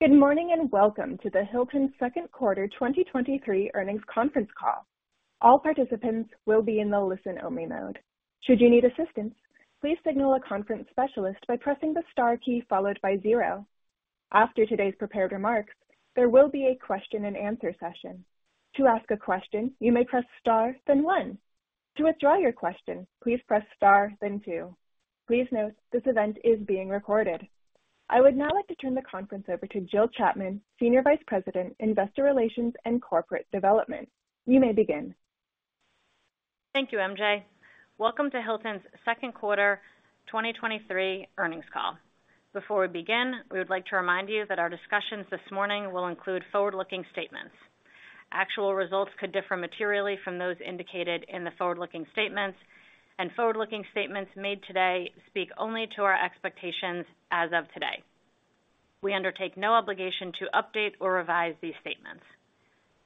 Good morning, welcome to the Hilton Second Quarter 2023 Earnings Conference Call. All participants will be in the listen-only mode. Should you need assistance, please signal a conference specialist by pressing the star key followed by zero. After today's prepared remarks, there will be a question-and-answer session. To ask a question, you may press star, then 1. To withdraw your question, please press star, then two. Please note, this event is being recorded. I would now like to turn the conference over to Jill Chapman, Senior Vice President, Investor Relations and Corporate Development. You may begin. Thank you, MJ. Welcome to Hilton's Second Quarter 2023 Earnings Call. Before we begin, we would like to remind you that our discussions this morning will include forward-looking statements. Actual results could differ materially from those indicated in the forward-looking statements, and forward-looking statements made today speak only to our expectations as of today. We undertake no obligation to update or revise these statements.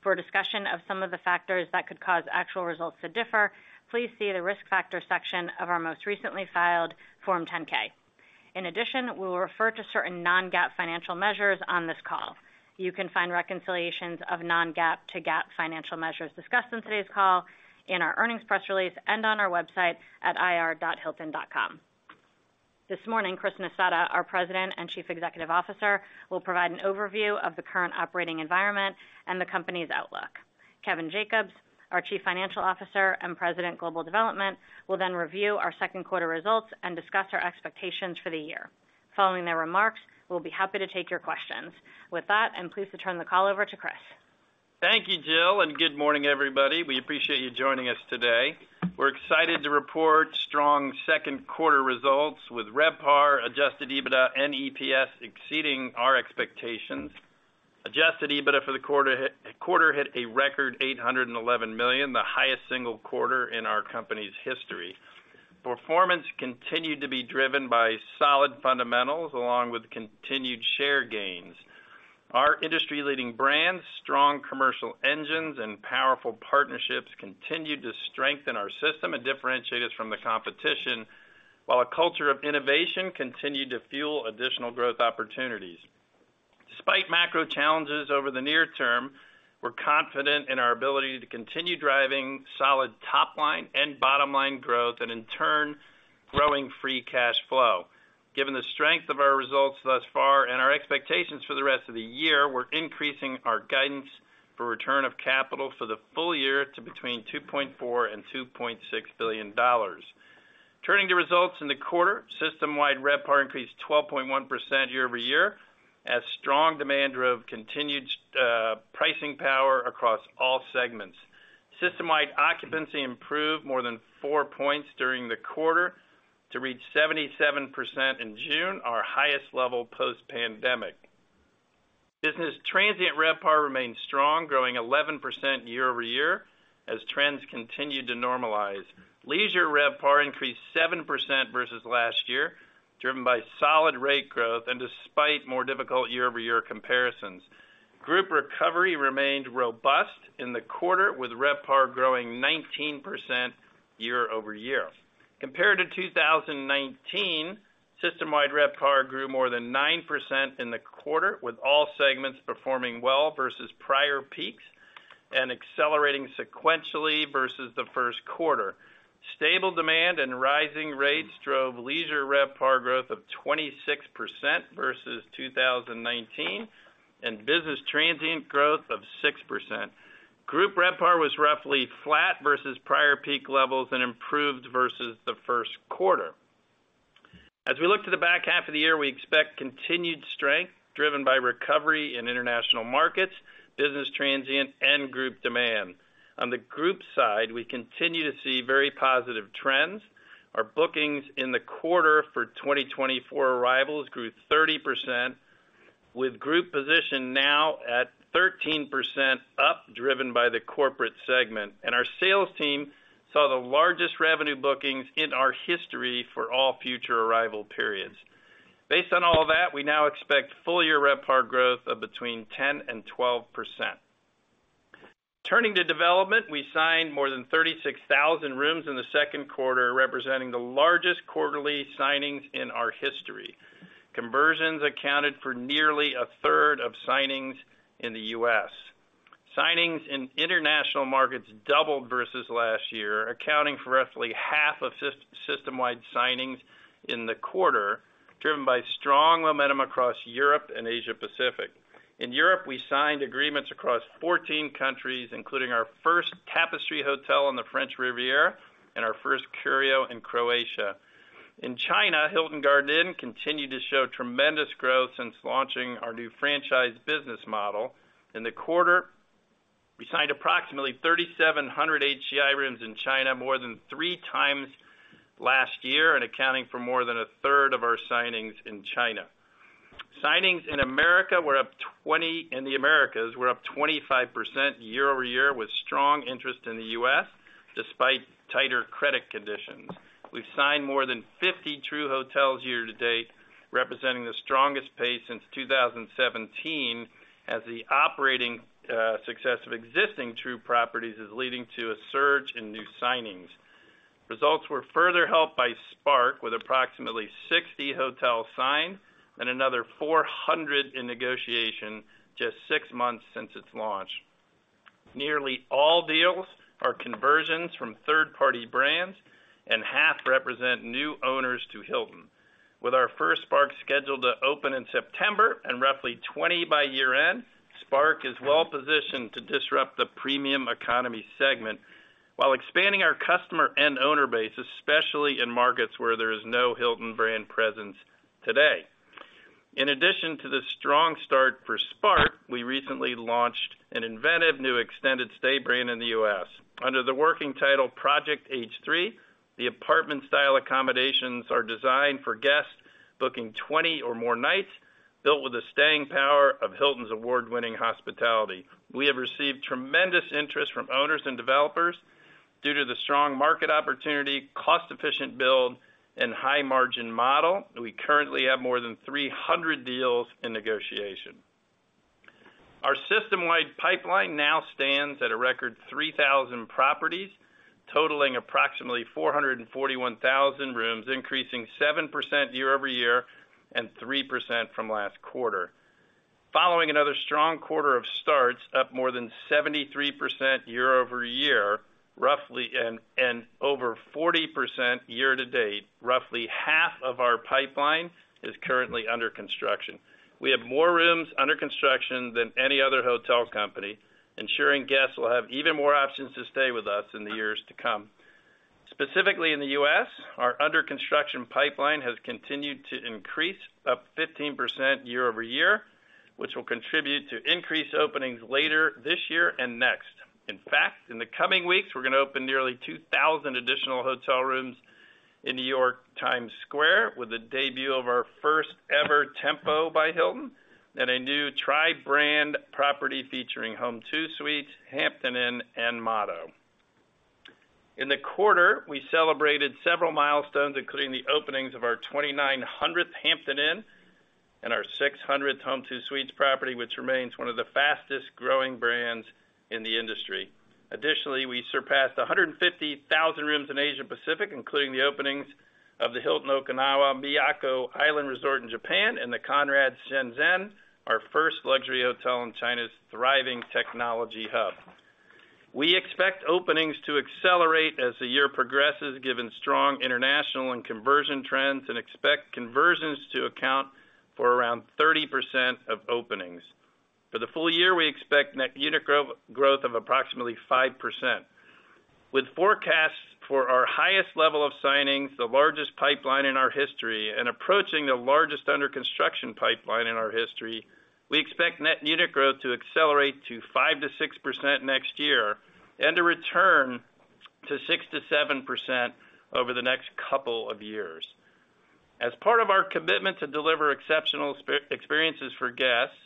For a discussion of some of the factors that could cause actual results to differ, please see the Risk Factors section of our most recently filed Form 10-K. In addition, we will refer to certain non-GAAP financial measures on this call. You can find reconciliations of non-GAAP to GAAP financial measures discussed in today's call in our earnings press release and on our website at ir.hilton.com. This morning, Chris Nassetta, our President and Chief Executive Officer, will provide an overview of the current operating environment and the company's outlook. Kevin Jacobs, our Chief Financial Officer and President, Global Development, will then review our second quarter results and discuss our expectations for the year. Following their remarks, we'll be happy to take your questions. With that, I'm pleased to turn the call over to Chris. Thank you, Jill. Good morning, everybody. We appreciate you joining us today. We're excited to report strong second quarter results with RevPAR, adjusted EBITDA, and EPS exceeding our expectations. Adjusted EBITDA for the quarter hit a record $811 million, the highest single quarter in our company's history. Performance continued to be driven by solid fundamentals, along with continued share gains. Our industry-leading brands, strong commercial engines, and powerful partnerships continued to strengthen our system and differentiate us from the competition, while a culture of innovation continued to fuel additional growth opportunities. Despite macro challenges over the near term, we're confident in our ability to continue driving solid top line and bottom line growth, and in turn, growing free cash flow. Given the strength of our results thus far and our expectations for the rest of the year, we're increasing our guidance for return of capital for the full year to between $2.4 billion and $2.6 billion. Turning to results in the quarter, system-wide RevPAR increased 12.1% year-over-year, as strong demand drove continued pricing power across all segments. System-wide occupancy improved more than four points during the quarter to reach 77% in June, our highest level post-pandemic. Business transient RevPAR remained strong, growing 11% year-over-year, as trends continued to normalize. Leisure RevPAR increased 7% versus last year, driven by solid rate growth and despite more difficult year-over-year comparisons. Group recovery remained robust in the quarter, with RevPAR growing 19% year-over-year. Compared to 2019, system-wide RevPAR grew more than 9% in the quarter, with all segments performing well versus prior peaks and accelerating sequentially versus the first quarter. Stable demand and rising rates drove leisure RevPAR growth of 26% versus 2019, and business transient growth of 6%. Group RevPAR was roughly flat versus prior peak levels and improved versus the first quarter. As we look to the back half of the year, we expect continued strength, driven by recovery in international markets, business transient, and group demand. On the group side, we continue to see very positive trends. Our bookings in the quarter for 2024 arrivals grew 30%, with group position now at 13% up, driven by the corporate segment. Our sales team saw the largest revenue bookings in our history for all future arrival periods. Based on all that, we now expect full-year RevPAR growth of between 10% and 12%. Turning to development, we signed more than 36,000 rooms in the second quarter, representing the largest quarterly signings in our history. Conversions accounted for nearly a third of signings in the U.S. Signings in international markets doubled versus last year, accounting for roughly half of system-wide signings in the quarter, driven by strong momentum across Europe and Asia Pacific. In Europe, we signed agreements across 14 countries, including our first Tapestry hotel on the French Riviera and our first Curio in Croatia. In China, Hilton Garden Inn continued to show tremendous growth since launching our new franchise business model. In the quarter, we signed approximately 3,700 HGI rooms in China, more than three times last year, and accounting for more than a third of our signings in China. Signings in the Americas were up 25% year-over-year, with strong interest in the U.S., despite tighter credit conditions. We've signed more than 50 Tru hotels year to date, representing the strongest pace since 2017, as the operating success of existing Tru properties is leading to a surge in new signings. Results were further helped by Spark, with approximately 60 hotels signed and another 400 in negotiation just six months since its launch. Nearly all deals are conversions from third-party brands, and half represent new owners to Hilton. With our first Spark scheduled to open in September and roughly 20 by year-end, Spark is well positioned to disrupt the premium economy segment while expanding our customer and owner base, especially in markets where there is no Hilton brand presence today. In addition to the strong start for Spark, we recently launched an inventive new extended stay brand in the U.S. Under the working title Project H3, the apartment-style accommodations are designed for guests booking 20 or more nights, built with the staying power of Hilton's award-winning hospitality. We have received tremendous interest from owners and developers due to the strong market opportunity, cost-efficient build, and high-margin model. We currently have more than 300 deals in negotiation. Our system-wide pipeline now stands at a record 3,000 properties, totaling approximately 441,000 rooms, increasing 7% year-over-year and 3% from last quarter. Following another strong quarter of starts, up more than 73% year-over-year, and over 40% year to date, roughly half of our pipeline is currently under construction. We have more rooms under construction than any other hotel company, ensuring guests will have even more options to stay with us in the years to come. Specifically in the U.S., our under-construction pipeline has continued to increase, up 15% year-over-year, which will contribute to increased openings later this year and next. In fact, in the coming weeks, we're going to open nearly 2,000 additional hotel rooms in New York Times Square, with the debut of our first ever Tempo by Hilton and a new tri-brand property featuring Home2 Suites, Hampton Inn, and Motto. In the quarter, we celebrated several milestones, including the openings of our 2,900th Hampton Inn and our 600th Home2 Suites property, which remains one of the fastest-growing brands in the industry. Additionally, we surpassed 150,000 rooms in Asia Pacific, including the openings of the Hilton Okinawa Miyako Island Resort in Japan and the Conrad Shenzhen, our first luxury hotel in China's thriving technology hub. We expect openings to accelerate as the year progresses, given strong international and conversion trends, and expect conversions to account for around 30% of openings. For the full year, we expect net unit growth of approximately 5%. With forecasts for our highest level of signings, the largest pipeline in our history, and approaching the largest under-construction pipeline in our history, we expect net unit growth to accelerate to 5%-6% next year, and to return to 6%-7% over the next couple of years. As part of our commitment to deliver exceptional experiences for guests,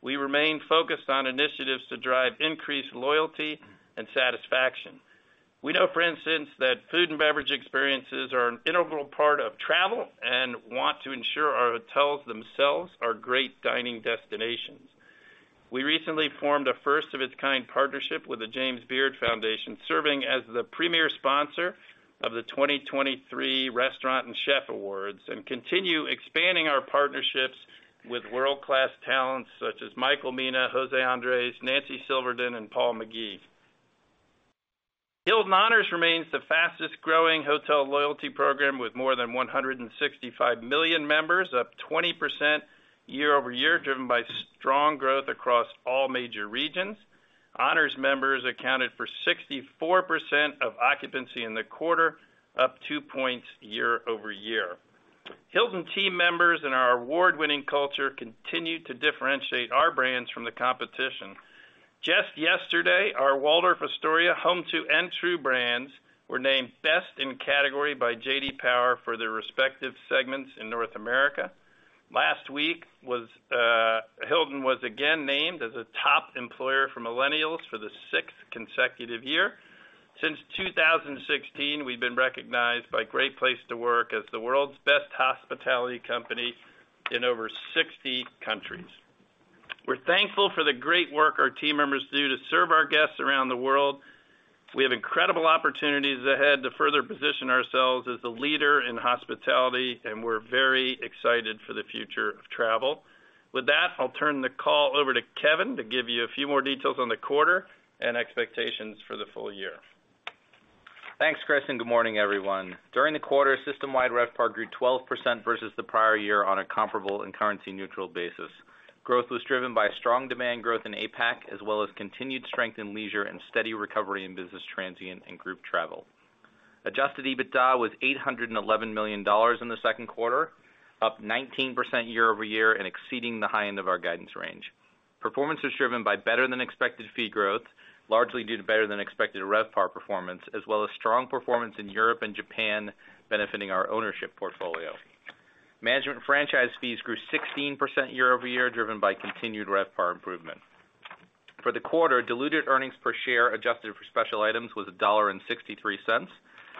we remain focused on initiatives to drive increased loyalty and satisfaction. We know, for instance, that food and beverage experiences are an integral part of travel and want to ensure our hotels themselves are great dining destinations. We recently formed a first-of-its-kind partnership with the James Beard Foundation, serving as the premier sponsor of the 2023 Restaurant and Chef Awards, and continue expanding our partnerships with world-class talents such as Michael Mina, José Andrés, Nancy Silverton, and Paul McGee. Hilton Honors remains the fastest-growing hotel loyalty program, with more than 165 million members, up 20% year-over-year, driven by strong growth across all major regions. Honors members accounted for 64% of occupancy in the quarter, up two points year-over-year. Hilton team members and our award-winning culture continue to differentiate our brands from the competition. Just yesterday, our Waldorf Astoria Home2 and Tru brands were named best in category by J.D. Power for their respective segments in North America. Last week Hilton was again named as a top employer for millennials for the sixth consecutive year. Since 2016, we've been recognized by Great Place to Work as the world's best hospitality company in over 60 countries. We're thankful for the great work our team members do to serve our guests around the world. We have incredible opportunities ahead to further position ourselves as a leader in hospitality, and we're very excited for the future of travel. With that, I'll turn the call over to Kevin to give you a few more details on the quarter and expectations for the full year. Thanks, Chris. Good morning, everyone. During the quarter, system-wide RevPAR grew 12% versus the prior year on a comparable and currency-neutral basis. Growth was driven by strong demand growth in APAC, as well as continued strength in leisure and steady recovery in business transient and group travel. Adjusted EBITDA was $811 million in the second quarter, up 19% year-over-year and exceeding the high end of our guidance range. Performance was driven by better than expected fee growth, largely due to better than expected RevPAR performance, as well as strong performance in Europe and Japan, benefiting our ownership portfolio. Management franchise fees grew 16% year-over-year, driven by continued RevPAR improvement. For the quarter, diluted earnings per share, adjusted for special items, was $1.63,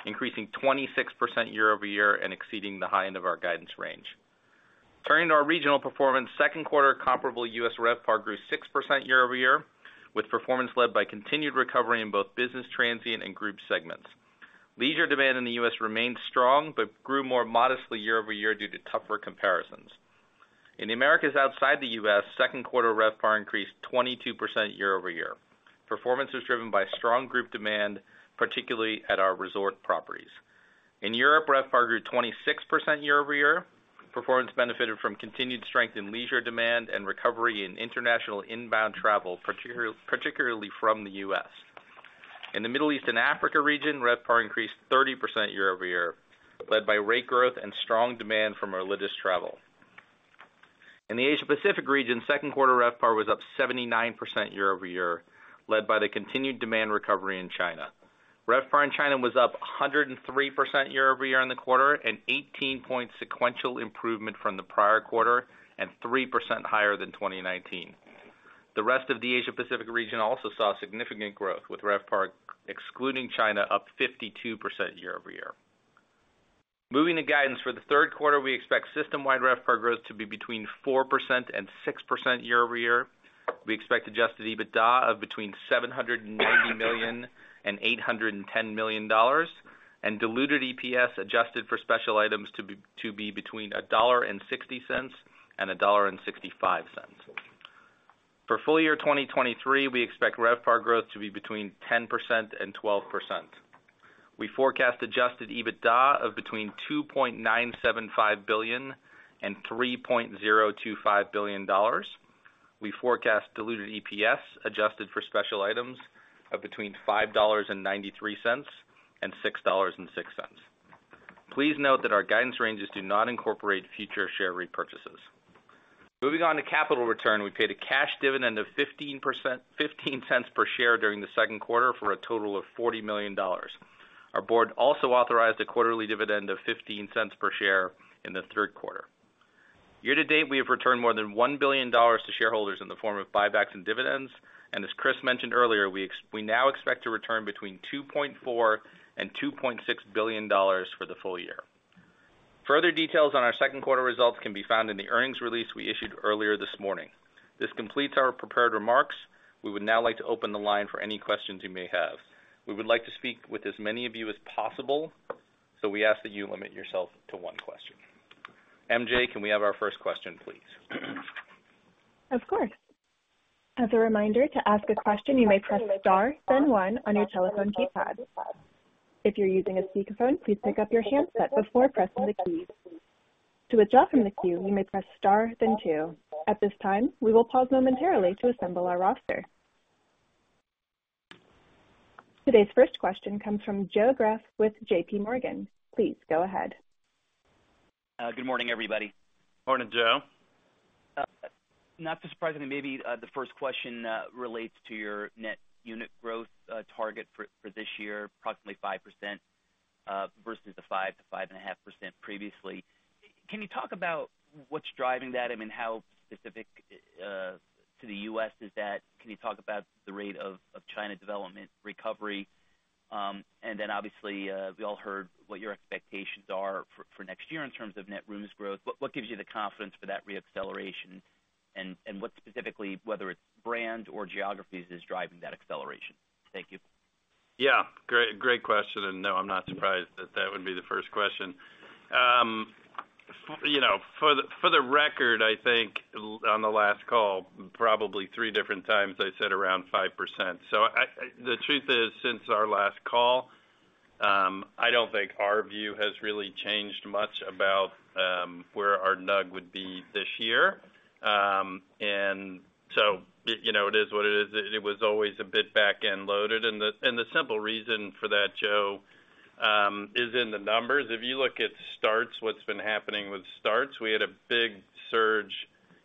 increasing 26% year-over-year and exceeding the high end of our guidance range. Turning to our regional performance, second quarter comparable U.S. RevPAR grew 6% year-over-year, with performance led by continued recovery in both business transient and group segments. Leisure demand in the U.S. remained strong, but grew more modestly year-over-year due to tougher comparisons. In the Americas outside the U.S., second quarter RevPAR increased 22% year-over-year. Performance was driven by strong group demand, particularly at our resort properties. In Europe, RevPAR grew 26% year-over-year. Performance benefited from continued strength in leisure demand and recovery in international inbound travel, particularly from the U.S. In the Middle East and Africa region, RevPAR increased 30% year-over-year, led by rate growth and strong demand from religious travel. In the Asia Pacific region, second quarter RevPAR was up 79% year-over-year, led by the continued demand recovery in China. RevPAR in China was up 103% year-over-year in the quarter, 18 points sequential improvement from the prior quarter and 3% higher than 2019. The rest of the Asia Pacific region also saw significant growth, with RevPAR, excluding China, up 52% year-over-year. Moving to guidance for the third quarter, we expect system-wide RevPAR growth to be between 4% and 6% year-over-year. We expect adjusted EBITDA of between $790 million and $810 million, and diluted EPS, adjusted for special items, to be between $1.60 and $1.65. For full year 2023, we expect RevPAR growth to be between 10% and 12%. We forecast adjusted EBITDA of between $2.975 billion and $3.025 billion. We forecast diluted EPS, adjusted for special items, of between $5.93 and $6.06. Please note that our guidance ranges do not incorporate future share repurchases. Moving on to capital return, we paid a cash dividend of $0.15 per share during the second quarter for a total of $40 million. Our board also authorized a quarterly dividend of $0.15 per share in the third quarter. Year-to-date, we have returned more than $1 billion to shareholders in the form of buybacks and dividends, and as Chris Nassetta mentioned earlier, we now expect to return between $2.4 billion and $2.6 billion for the full year. Further details on our second quarter results can be found in the earnings release we issued earlier this morning. This completes our prepared remarks. We would now like to open the line for any questions you may have. We would like to speak with as many of you as possible, so we ask that you limit yourself to one question. MJ, can we have our first question, please? Of course. As a reminder, to ask a question, you may press star, then one on your telephone keypad. If you're using a speakerphone, please pick up your handset before pressing the keys. To withdraw from the queue, you may press star, then two. At this time, we will pause momentarily to assemble our roster. Today's first question comes from Joe Greff with J.P. Morgan. Please go ahead. Good morning, everybody. Morning, Joe. Not surprisingly, maybe, the first question relates to your net unit growth target for this year, approximately 5%, versus the 5%-5.5% previously? Can you talk about what's driving that? I mean, how specific to the U.S. is that? Can you talk about the rate of China development recovery? Obviously, we all heard what your expectations are for next year in terms of net rooms growth. What gives you the confidence for that reacceleration? What specifically, whether it's brand or geographies, is driving that acceleration? Thank you. Yeah, great question. No, I'm not surprised that that would be the first question. You know, for the record, I think on the last call, probably three different times, I said around 5%. I the truth is, since our last call, I don't think our view has really changed much about where our NUG would be this year. You know, it is what it is. It was always a bit back-end loaded, and the simple reason for that, Joe Greff, is in the numbers. If you look at starts, what's been happening with starts, we had a big surge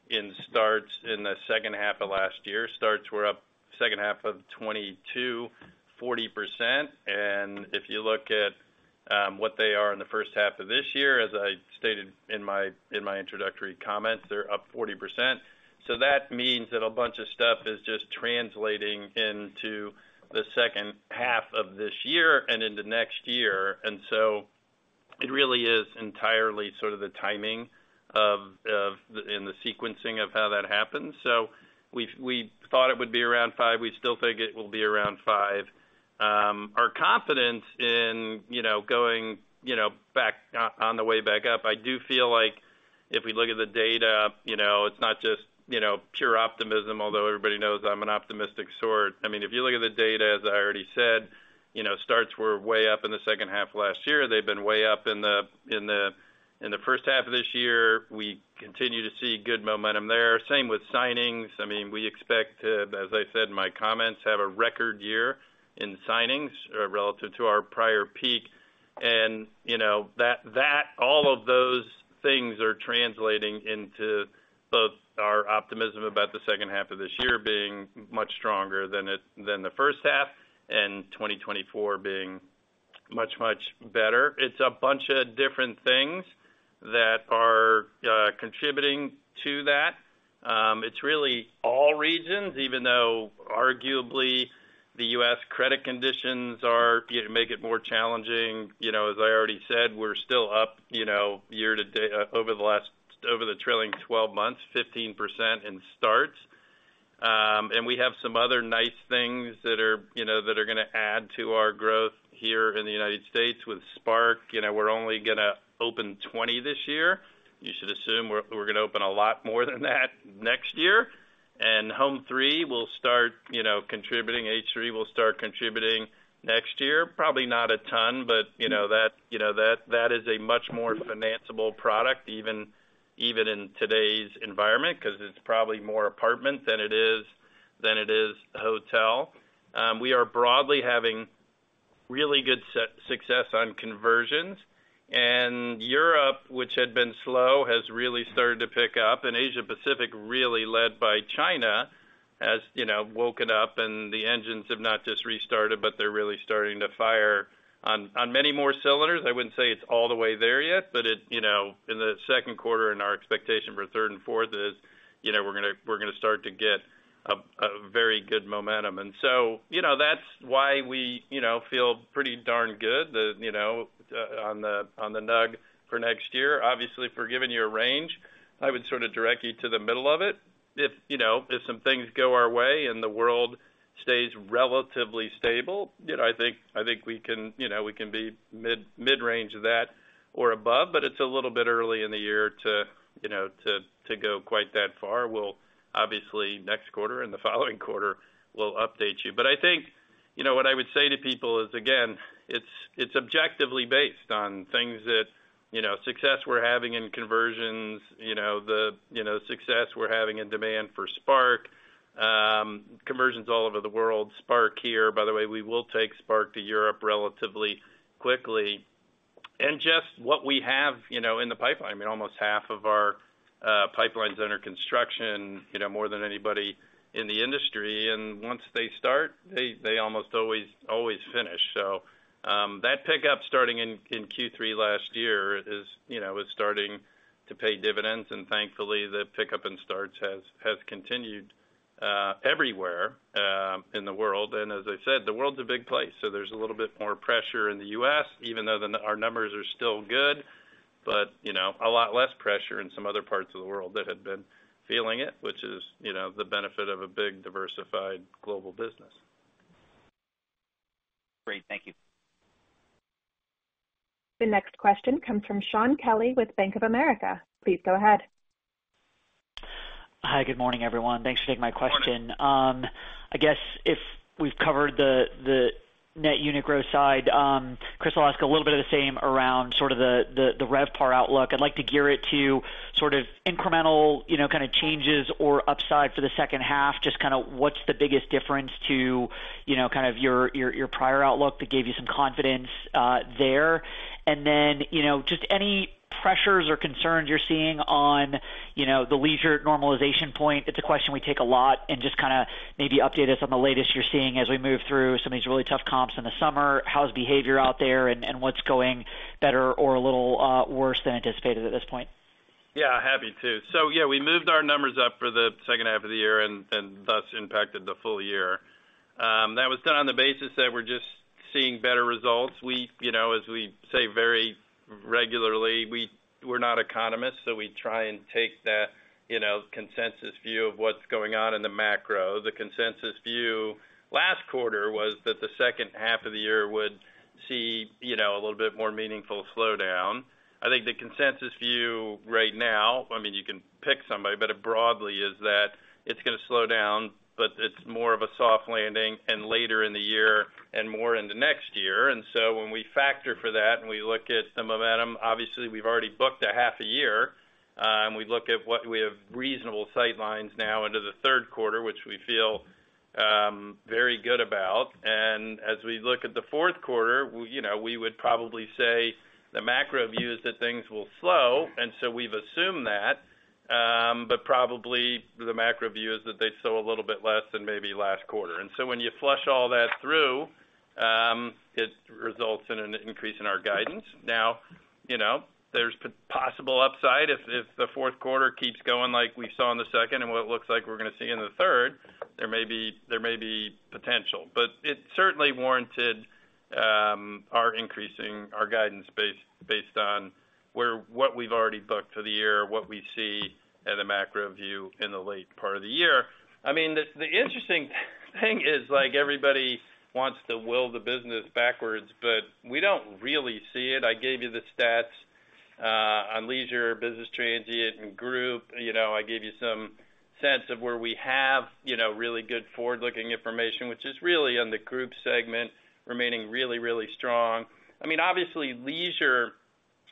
in starts in the second half of last year. Starts were up, second half of 2022, 40%. If you look at what they are in the first half of this year, as I stated in my introductory comments, they're up 40%. That means that a bunch of stuff is just translating into the second half of this year and into next year. It really is entirely sort of the timing of and the sequencing of how that happens. We thought it would be around five. We still think it will be around five. Our confidence in, you know, going, you know, back on the way back up, I do feel like if we look at the data, you know, it's not just, you know, pure optimism, although everybody knows I'm an optimistic sort. I mean, if you look at the data, as I already said, you know, starts were way up in the second half of last year. They've been way up in the first half of this year. We continue to see good momentum there. Same with signings. I mean, we expect to, as I said in my comments, have a record year in signings relative to our prior peak. You know, that all of those things are translating into both our optimism about the second half of this year being much stronger than the first half, and 2024 being much, much better. It's a bunch of different things that are contributing to that. It's really all regions, even though arguably, the U.S. credit conditions are, you know, make it more challenging. You know, as I already said, we're still up, you know, over the trailing 12 months, 15% in starts. We have some other nice things that are, you know, that are gonna add to our growth here in the United States. With Spark, you know, we're only gonna open 20 this year. You should assume we're gonna open a lot more than that next year. H3 will start, you know, contributing next year. Probably not a ton, but you know, that is a much more financeable product, even in today's environment, 'cause it's probably more apartment than it is hotel. We are broadly having really good success on conversions. Europe, which had been slow, has really started to pick up. Asia Pacific, really led by China, has, you know, woken up and the engines have not just restarted, but they're really starting to fire on many more cylinders. I wouldn't say it's all the way there yet, but you know, in the second quarter and our expectation for third and fourth is, you know, we're gonna start to get a very good momentum. You know, that's why we, you know, feel pretty darn good that, you know, on the NUG for next year. Obviously, if we're giving you a range, I would sort of direct you to the middle of it. If, you know, if some things go our way and the world stays relatively stable, you know, I think we can, you know, we can be mid-range of that or above. It's a little bit early in the year to, you know, to go quite that far. We'll obviously, next quarter and the following quarter, we'll update you. I think, you know, what I would say to people is, again, it's objectively based on things that. You know, success we're having in conversions, you know, the, you know, success we're having in demand for Spark, conversions all over the world, Spark here. By the way, we will take Spark to Europe relatively quickly. Just what we have, you know, in the pipeline. I mean, almost half of our pipelines are under construction, you know, more than anybody in the industry. Once they start, they almost always finish. That pickup starting in Q3 last year is, you know, starting to pay dividends. Thankfully, the pickup in starts has continued everywhere in the world. As I said, the world's a big place, so there's a little bit more pressure in the U.S., even though our numbers are still good, but you know, a lot less pressure in some other parts of the world that had been feeling it, which is, you know, the benefit of a big, diversified global business. Great. Thank you. The next question comes from Shaun Kelley with Bank of America. Please go ahead. Hi, good morning, everyone. Thanks for taking my question. Good morning. I guess if we've covered the net unit growth side, Chris, I'll ask a little bit of the same around sort of the RevPAR outlook. I'd like to gear it to sort of incremental, you know, kind of changes or upside for the second half. What's the biggest difference to, you know, kind of your prior outlook that gave you some confidence there? Just any pressures or concerns you're seeing on, you know, the leisure normalization point. It's a question we take a lot and just kinda maybe update us on the latest you're seeing as we move through some of these really tough comps in the summer. How's behavior out there and what's going better or a little worse than anticipated at this point? Yeah, happy to. Yeah, we moved our numbers up for the second half of the year and thus impacted the full year. That was done on the basis that we're just seeing better results. We, you know, as we say very regularly, we're not economists, so we try and take the, you know, consensus view of what's going on in the macro. The consensus view last quarter was that the second half of the year would see, you know, a little bit more meaningful slowdown. I mean, you can pick somebody, but it broadly is that it's gonna slow down, but it's more of a soft landing and later in the year and more into next year. When we factor for that and we look at the momentum, obviously we've already booked a half a year. We look at what we have reasonable sight lines now into the third quarter, which we feel very good about. As we look at the fourth quarter, you know, we would probably say the macro view is that things will slow, and so we've assumed that. Probably the macro view is that they slow a little bit less than maybe last quarter. When you flush all that through, it results in an increase in our guidance. Now, you know, there's possible upside if the fourth quarter keeps going like we saw in the second and what it looks like we're gonna see in the third, there may be potential. It certainly warranted our increasing our guidance based on what we've already booked for the year, what we see in the macro view in the late part of the year. The interesting thing is like everybody wants to will the business backwards, but we don't really see it. I gave you the stats on leisure, business transient, and group. You know, I gave you some sense of where we have, you know, really good forward-looking information, which is really on the group segment, remaining really, really strong. I mean, obviously, leisure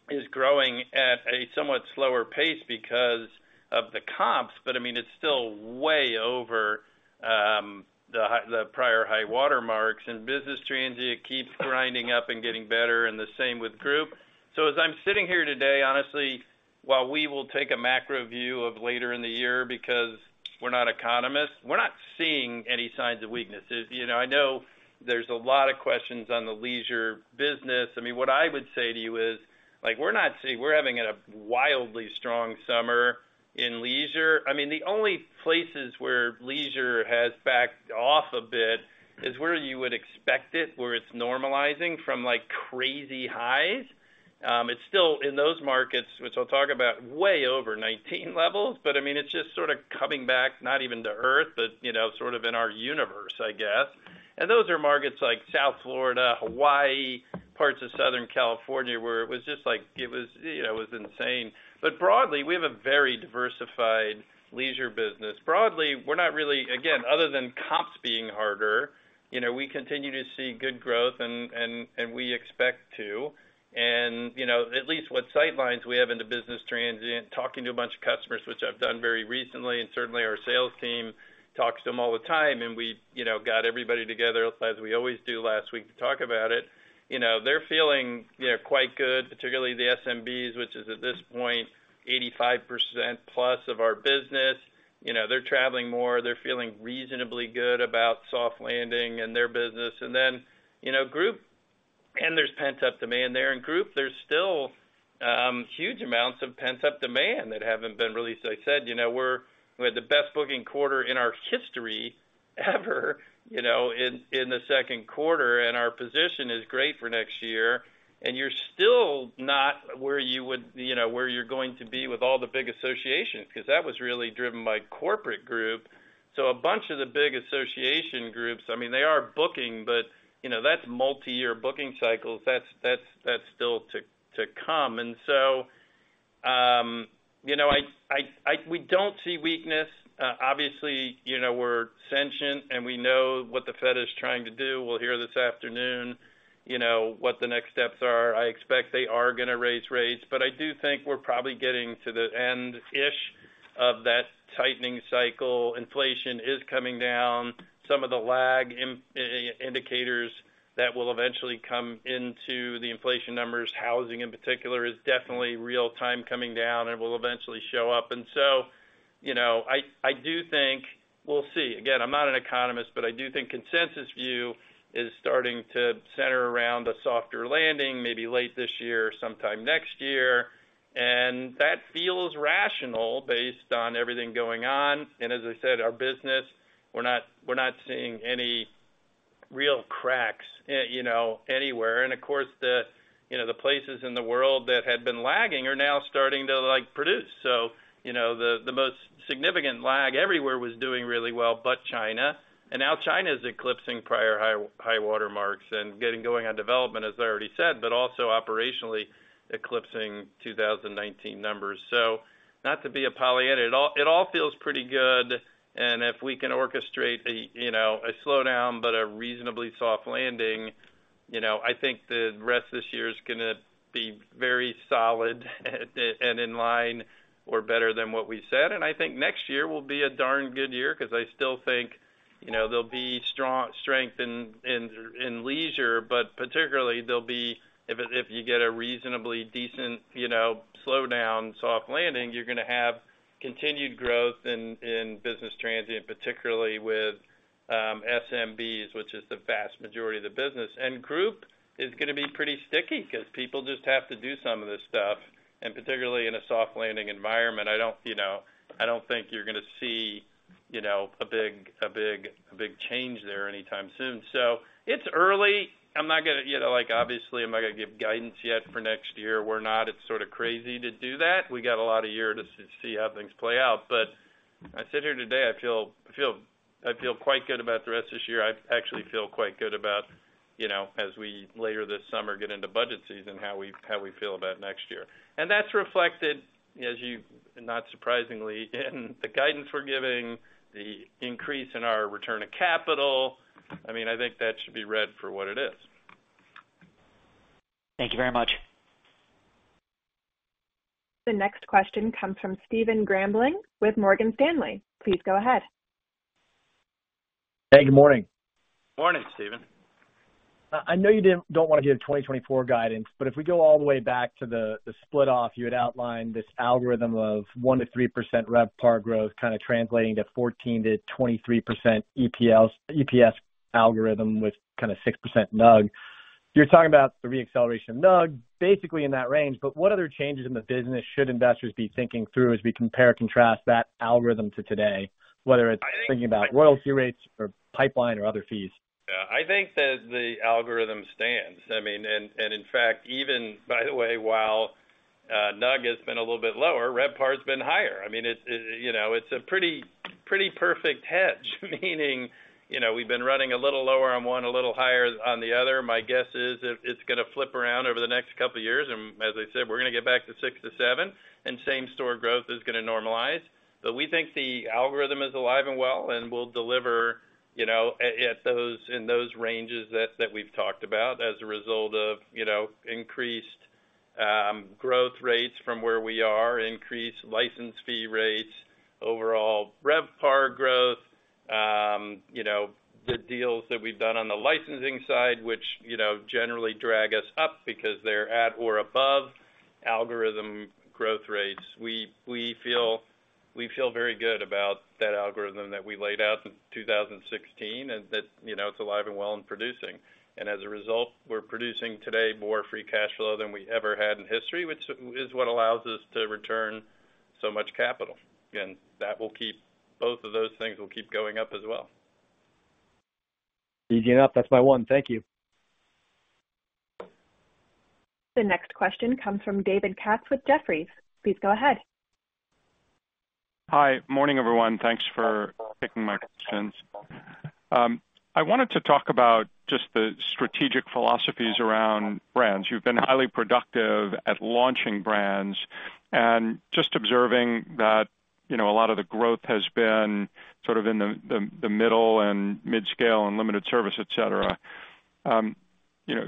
is growing at a somewhat slower pace because of the comps, but I mean, it's still way over the prior high water marks, and business transient keeps grinding up and getting better, and the same with group. As I'm sitting here today, honestly, while we will take a macro view of later in the year, because we're not economists, we're not seeing any signs of weaknesses. You know, I know there's a lot of questions on the leisure business. I mean, what I would say to you is, like, we're having a wildly strong summer in leisure. I mean, the only places where leisure has backed off a bit is where you would expect it, where it's normalizing from, like, crazy highs. It's still in those markets, which I'll talk about, way over 19 levels. I mean, it's just sort of coming back, not even to Earth, but, you know, sort of in our universe, I guess. Those are markets like South Florida, Hawaii, parts of Southern California, where it was just like, you know, it was insane. Broadly, we have a very diversified leisure business. Broadly, Again, other than comps being harder, you know, we continue to see good growth and we expect to. You know, at least what sight lines we have in the business transient, talking to a bunch of customers, which I've done very recently, and certainly our sales team talks to them all the time, and we, you know, got everybody together, as we always do, last week to talk about it. You know, they're feeling, you know, quite good, particularly the SMBs, which is, at this point, 85% plus of our business. You know, they're traveling more. They're feeling reasonably good about soft landing and their business. You know, there's pent-up demand there. In group, there's still huge amounts of pent-up demand that haven't been released. I said, you know, we had the best booking quarter in our history, ever, you know, in the second quarter. Our position is great for next year. You're still not where you know, where you're going to be with all the big associations, because that was really driven by corporate group. A bunch of the big association groups, I mean, they are booking, but, you know, that's multiyear booking cycles. That's still to come. So, you know, we don't see weakness. Obviously, you know, we're sentient. We know what the Fed is trying to do. We'll hear this afternoon, you know, what the next steps are. I expect they are gonna raise rates. I do think we're probably getting to the end-ish of that tightening cycle. Inflation is coming down. Some of the lag indicators that will eventually come into the inflation numbers, housing, in particular, is definitely real-time coming down and will eventually show up. You know, I do think we'll see. Again, I'm not an economist, but I do think consensus view is starting to center around a softer landing, maybe late this year or sometime next year. That feels rational based on everything going on. As I said, our business, we're not seeing any real cracks, you know, anywhere. Of course, the, you know, the places in the world that had been lagging are now starting to, like, produce. You know, the most significant lag everywhere was doing really well, but China. Now China is eclipsing prior high water marks and getting going on development, as I already said, but also operationally eclipsing 2019 numbers. Not to be a Pollyanna, it all feels pretty good, and if we can orchestrate a, you know, a slowdown but a reasonably soft landing, you know, I think the rest of this year is gonna be very solid and in line or better than what we said. I think next year will be a darn good year because I still think, you know, there'll be strength in leisure, but particularly, there'll be if you get a reasonably decent, you know, slowdown, soft landing, you're gonna have continued growth in business transient, particularly with SMBs, which is the vast majority of the business. Group is gonna be pretty sticky because people just have to do some of this stuff, and particularly in a soft landing environment, I don't, you know, I don't think you're gonna see, you know, a big change there anytime soon. It's early. I'm not gonna, you know, like, obviously, I'm not gonna give guidance yet for next year. It's sort of crazy to do that. We got a lot of year to see how things play out. I sit here today, I feel quite good about the rest of this year. I actually feel quite good about, you know, as we, later this summer, get into budget season, how we feel about next year. That's reflected, as you not surprisingly, in the guidance we're giving, the increase in our return on capital. I mean, I think that should be read for what it is. Thank you very much. The next question comes from Stephen Grambling with Morgan Stanley. Please go ahead. Hey, good morning. Morning, Stephen. If we go all the way back to the split off, you had outlined this algorithm of 1%-3% RevPAR growth, kind of translating to 14%-23% EPS algorithm with kind of 6% NUG. You're talking about the reacceleration of NUG, basically in that range. What other changes in the business should investors be thinking through as we compare and contrast that algorithm to today, whether it's. I think- Thinking about royalty rates or pipeline or other fees? Yeah. I think that the algorithm stands. I mean, in fact, even by the way, while NUG has been a little bit lower, RevPAR has been higher. I mean, you know, it's a pretty perfect hedge, meaning, you know, we've been running a little lower on one, a little higher on the other. My guess is, it's gonna flip around over the next couple of years. As I said, we're gonna get back to 6%-7%, and same store growth is gonna normalize. We think the algorithm is alive and well, and will deliver, you know, at those in those ranges that we've talked about as a result of, you know, increased growth rates from where we are, increased license fee rates, overall RevPAR growth, you know, the deals that we've done on the licensing side, which, you know, generally drag us up because they're at or above algorithm growth rates. We feel very good about that algorithm that we laid out in 2016, and that, you know, it's alive and well and producing. As a result, we're producing today more free cash flow than we ever had in history, which is what allows us to return so much capital. That will keep both of those things going up as well. That's my one. Thank you. The next question comes from David Katz with Jefferies. Please go ahead. Hi, morning, everyone. Thanks for taking my questions. I wanted to talk about just the strategic philosophies around brands. You've been highly productive at launching brands, and just observing that, you know, a lot of the growth has been sort of in the middle and mid-scale and limited service, et cetera. You know,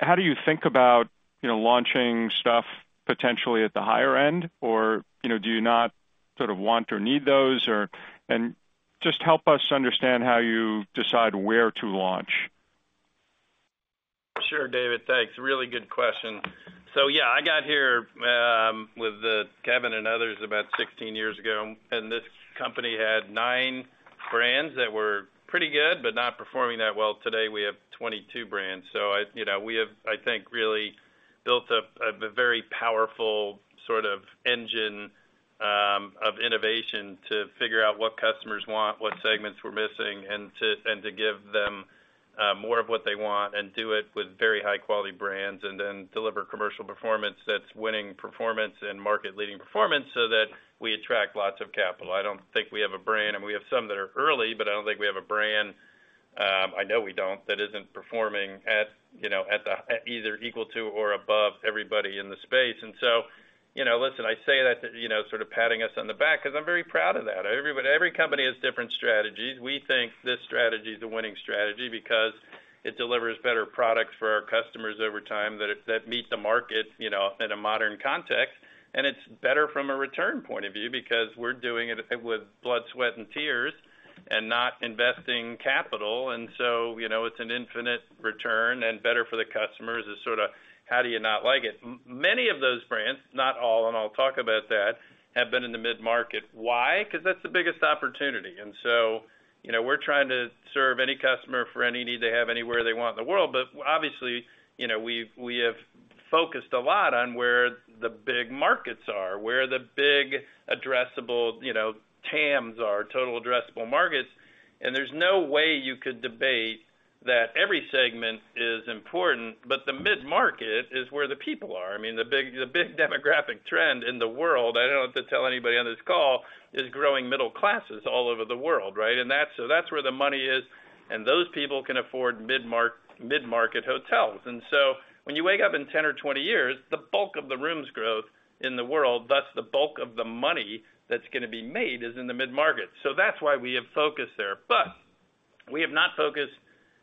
how do you think about, you know, launching stuff potentially at the higher end? Or, you know, do you not sort of want or need those? Or, and just help us understand how you decide where to launch. Sure, David. Thanks. Really good question. Yeah, I got here with Kevin and others about 16 years ago, and this company had nine brands that were pretty good, but not performing that well. Today, we have 22 brands. I, you know, we have, I think, really built up a very powerful sort of engine of innovation to figure out what customers want, what segments we're missing, and to give them more of what they want and do it with very high-quality brands, and then deliver commercial performance that's winning performance and market-leading performance so that we attract lots of capital. I don't think we have a brand, and we have some that are early, but I don't think we have a brand, I know we don't, that isn't performing at, you know, at the, at either equal to or above everybody in the space. Listen, you know, I say that, you know, sort of patting us on the back because I'm very proud of that. Every company has different strategies. We think this strategy is a winning strategy because it delivers better products for our customers over time, that meets the market, you know, in a modern context. It's better from a return point of view because we're doing it with blood, sweat, and tears and not investing capital. It's an infinite return and better for the customers is sort of, how do you not like it? many of those brands, not all, and I'll talk about that, have been in the mid-market. Why? Because that's the biggest opportunity. You know, we're trying to serve any customer for any need they have anywhere they want in the world. Obviously, you know, we have focused a lot on where the big markets are, where the big addressable, you know, TAMs are, Total Addressable Markets, and there's no way you could debate that every segment is important, but the mid-market is where the people are. I mean, the big demographic trend in the world, I don't have to tell anybody on this call, is growing middle classes all over the world, right? That's, so that's where the money is, and those people can afford mid-market hotels. When you wake up in 10 or 20 years, the bulk of the rooms growth in the world, thus, the bulk of the money that's going to be made, is in the mid-market. That's why we have focused there. We have not focused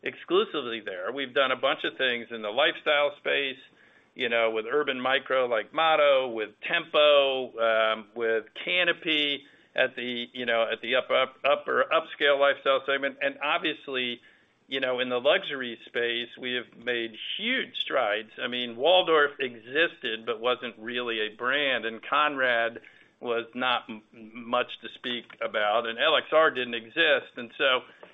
exclusively there. We've done a bunch of things in the lifestyle space, you know, with urban micro, like Motto, with Tempo, with Canopy, at the, you know, at the up, upper upscale lifestyle segment. Obviously, you know, in the luxury space, we have made huge strides. I mean Waldorf existed, but wasn't really a brand, and Conrad was not much to speak about, and LXR didn't exist.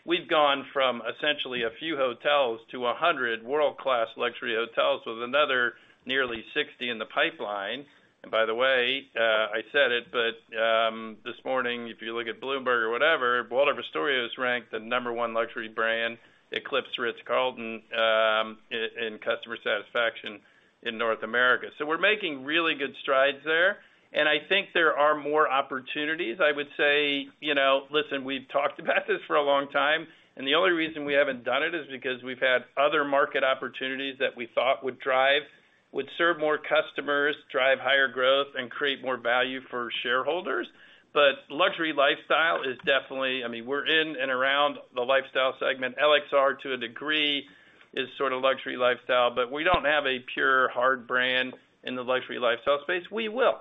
We've gone from essentially a few hotels to 100 world-class luxury hotels with another nearly 60 in the pipeline. By the way, I said it, but this morning, if you look at Bloomberg or whatever, Waldorf Astoria is ranked the number one luxury brand, eclipsed Ritz-Carlton, in customer satisfaction in North America. We're making really good strides there, and I think there are more opportunities. I would say, you know, listen, we've talked about this for a long time, and the only reason we haven't done it is because we've had other market opportunities that we thought would serve more customers, drive higher growth, and create more value for shareholders. Luxury lifestyle is definitely. I mean, we're in and around the lifestyle segment. LXR, to a degree, is sort of luxury lifestyle, but we don't have a pure hard brand in the luxury lifestyle space. We will,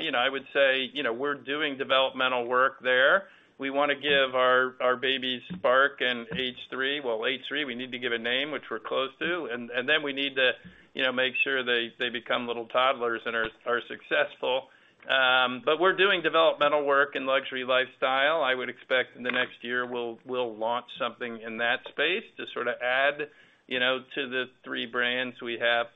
you know, I would say, you know, we're doing developmental work there. We want to give our babies Spark and H3. Well, H3, we need to give a name, which we're close to, and then we need to, you know, make sure they become little toddlers and are successful. We're doing developmental work in luxury lifestyle. I would expect in the next year, we'll launch something in that space to sort of add, you know, to the three brands we have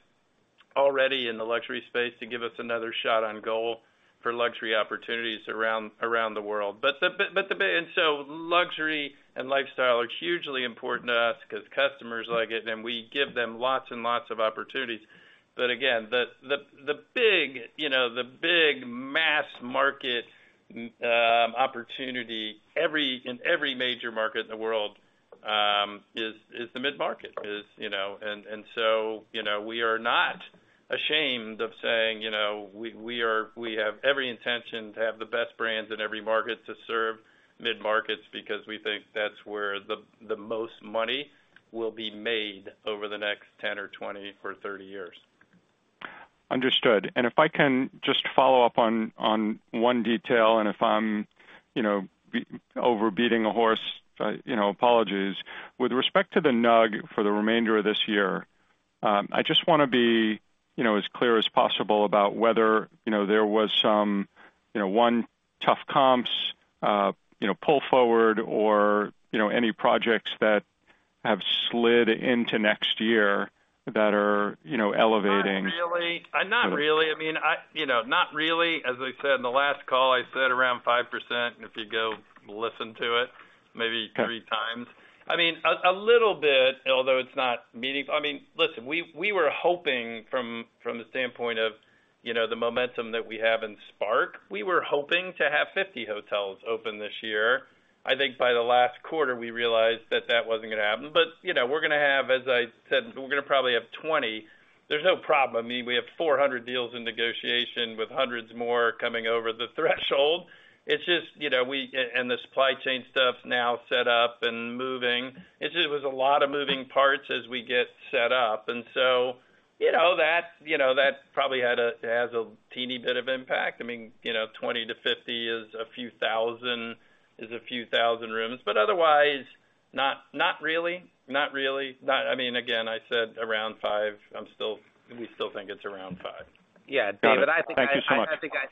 already in the luxury space to give us another shot on goal for luxury opportunities around the world. Luxury and lifestyle are hugely important to us because customers like it, and we give them lots and lots of opportunities. Again, the big, you know, the big mass market opportunity, in every major market in the world, is the mid-market, is, you know. So, you know, we are not ashamed of saying, you know, we have every intention to have the best brands in every market to serve mid-markets, because we think that's where the most money will be made over the next 10 or 20 or 30 years. Understood. If I can just follow up on one detail, and if I'm, you know, over beating a horse, you know, apologies. With respect to the NUG for the remainder of this year, I just wanna be, you know, as clear as possible about whether, you know, there was some, you know, one, tough comps, you know, pull forward or, you know, any projects that have slid into next year that are, you know, elevating. Not really. Not really. I mean, you know, not really. As I said in the last call, I said around 5%, and if you go listen to it, maybe three times. I mean, a little bit, although it's not meaningful. I mean, listen, we were hoping from the standpoint of, you know, the momentum that we have in Spark, we were hoping to have 50 hotels open this year. I think by the last quarter, we realized that that wasn't gonna happen. you know, we're gonna have, as I said, we're gonna probably have 20. There's no problem. I mean, we have 400 deals in negotiation, with hundreds more coming over the threshold. It's just, you know, and the supply chain stuff now set up and moving. It's just was a lot of moving parts as we get set up, you know, that probably has a teeny bit of impact. I mean, you know, 20-50 is a few thousand rooms. Otherwise, not really. I mean, again, I said around five. We still think it's around five. Yeah, David. Thank you so much. I think I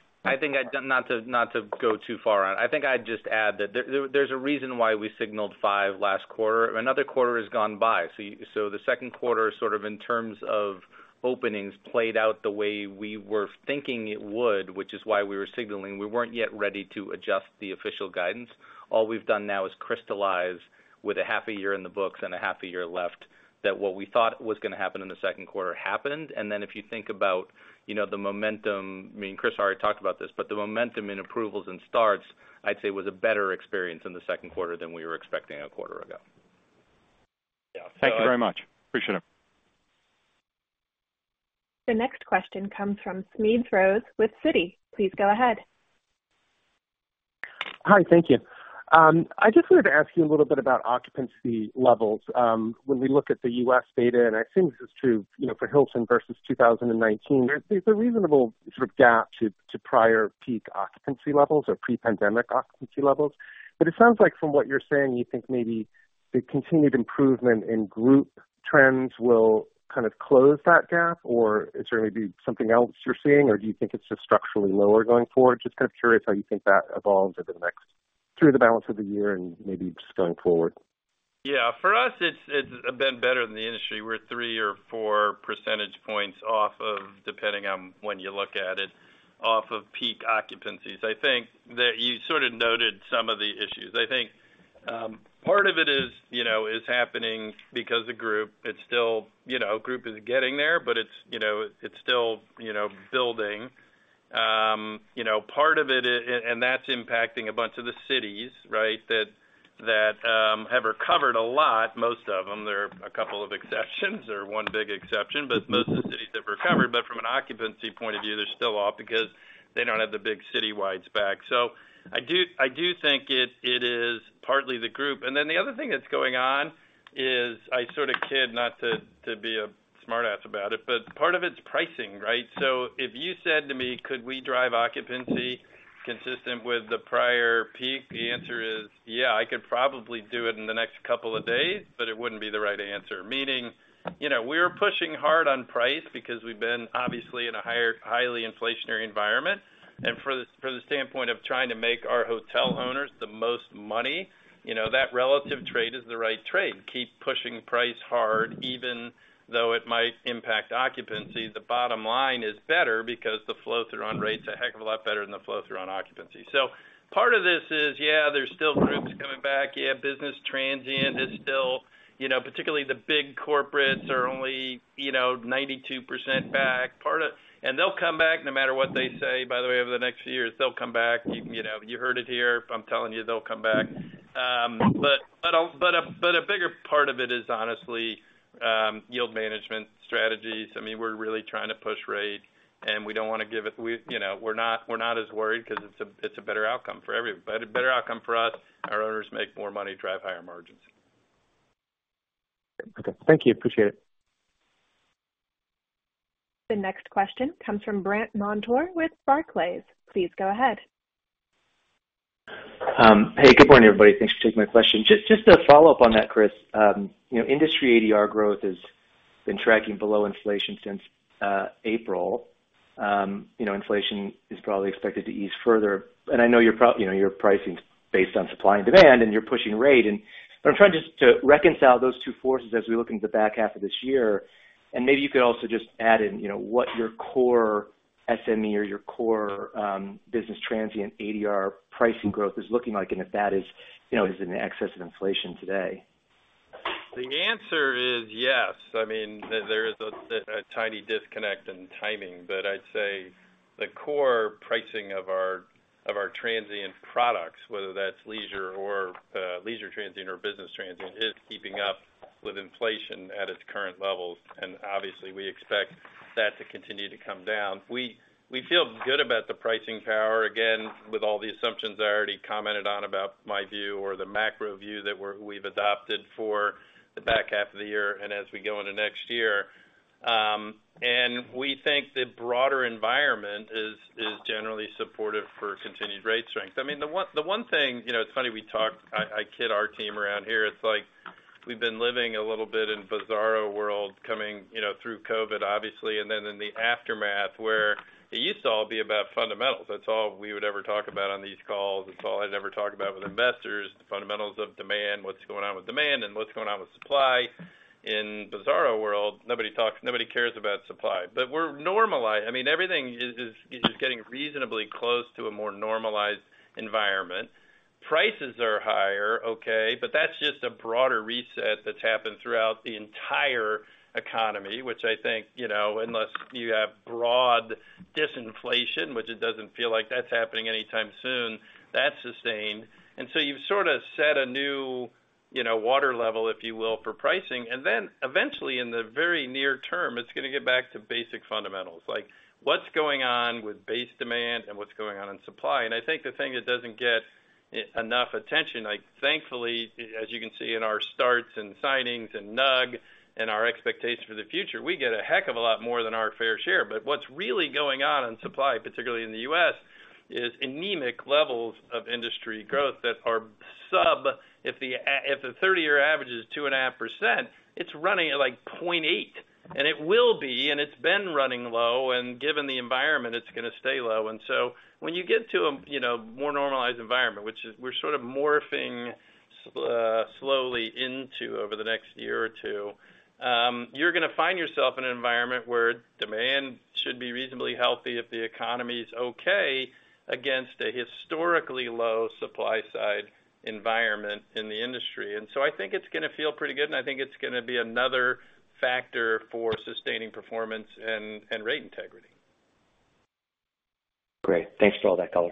not to go too far on it. I think I'd just add that there's a reason why we signaled five last quarter. Another quarter has gone by, so the second quarter, sort of in terms of openings, played out the way we were thinking it would, which is why we were signaling. We weren't yet ready to adjust the official guidance. All we've done now is crystallize, with a half a year in the books and a half a year left, that what we thought was gonna happen in the second quarter happened. If you think about, you know, the momentum, I mean, Chris already talked about this, but the momentum in approvals and starts, I'd say, was a better experience in the second quarter than we were expecting a quarter ago. Yeah. Thank you very much. Appreciate it. The next question comes from Smedes Rose with Citi. Please go ahead. Hi, thank you. I just wanted to ask you a little bit about occupancy levels. When we look at the U.S. data, and I think this is true, you know, for Hilton versus 2019, there's a reasonable sort of gap to prior peak occupancy levels or pre-pandemic occupancy levels. It sounds like from what you're saying, you think maybe the continued improvement in group trends will kind of close that gap, or is there maybe something else you're seeing, or do you think it's just structurally lower going forward? Just kind of curious how you think that evolves through the balance of the year and maybe just going forward. For us, it's been better than the industry. We're three or four percentage points off of, depending on when you look at it, off of peak occupancies. I think that you sort of noted some of the issues. I think, part of it is, you know, is happening because the group, it's still, you know, group is getting there, but it's, you know, it's still, you know, building. You know, part of it, and that's impacting a bunch of the cities, right? That have recovered a lot, most of them. There are two exceptions or one big exception, but most of the cities have recovered. From an occupancy point of view, they're still off because they don't have the big city wides back. I do think it is partly the group. The other thing that's going on is, I sort of kid, not to be a smart ass about it, part of it's pricing, right. If you said to me, "Could we drive occupancy consistent with the prior peak?" The answer is, yeah, I could probably do it in the next couple of days, but it wouldn't be the right answer. Meaning, you know, we're pushing hard on price because we've been obviously in a highly inflationary environment. For the standpoint of trying to make our hotel owners the most money, you know, that relative trade is the right trade. Keep pushing price hard, even though it might impact occupancy. The bottom line is better because the flow-through on rate's a heck of a lot better than the flow-through on occupancy. Part of this is, yeah, there's still groups coming back. Yeah, business transient is still, you know, particularly the big corporates are only, you know, 92% back. They'll come back no matter what they say, by the way, over the next few years, they'll come back. You know, you heard it here, I'm telling you, they'll come back. A bigger part of it is honestly, yield management strategies. I mean, we're really trying to push rate, we, you know, we're not as worried because it's a better outcome for everybody. Better outcome for us, our owners make more money, drive higher margins. Okay. Thank you. Appreciate it. The next question comes from Brandt Montour with Barclays. Please go ahead. Hey, good morning, everybody. Thanks for taking my question. Just to follow up on that, Chris. You know, industry ADR growth has been tracking below inflation since April. You know, inflation is probably expected to ease further. I know you're, you know, your pricing is based on supply and demand, and you're pushing rate. But I'm trying just to reconcile those two forces as we look into the back half of this year. Maybe you could also just add in, you know, what your core SME or your core business transient ADR pricing growth is looking like, and if that is, you know, is in excess of inflation today. The answer is yes. I mean, there is a tiny disconnect in timing, but I'd say the core pricing of our transient products, whether that's leisure or leisure transient or business transient, is keeping up with inflation at its current levels. Obviously, we expect that to continue to come down. We feel good about the pricing power. Again, with all the assumptions I already commented on about my view or the macro view that we've adopted for the back half of the year and as we go into next year. And we think the broader environment is generally supportive for continued rate strength. I mean, the one thing, you know, it's funny, we talked I kid our team around here, it's like. We've been living a little bit in bizarro world, coming, you know, through COVID, obviously, and then in the aftermath, where it used to all be about fundamentals. That's all we would ever talk about on these calls. That's all I'd ever talk about with investors, the fundamentals of demand, what's going on with demand and what's going on with supply. In bizarro world, nobody talks, nobody cares about supply. We're normalized. I mean, everything is just getting reasonably close to a more normalized environment. Prices are higher, okay, but that's just a broader reset that's happened throughout the entire economy, which I think, you know, unless you have broad disinflation, which it doesn't feel like that's happening anytime soon, that's sustained. You've sort of set a new, you know, water level, if you will, for pricing, and then eventually, in the very near term, it's going to get back to basic fundamentals, like what's going on with base demand and what's going on in supply. I think the thing that doesn't get enough attention, like, thankfully, as you can see in our starts and signings and NUG and our expectations for the future, we get a heck of a lot more than our fair share. What's really going on in supply, particularly in the U.S., is anemic levels of industry growth that are sub. If the 30-year average is 2.5%, it's running at, like, 0.8, and it will be, and it's been running low, and given the environment, it's going to stay low. When you get to a, you know, more normalized environment, which is we're sort of morphing slowly into over the next year or two, you're going to find yourself in an environment where demand should be reasonably healthy if the economy's okay, against a historically low supply side environment in the industry. I think it's going to feel pretty good, and I think it's going to be another factor for sustaining performance and rate integrity. Great. Thanks for all that color.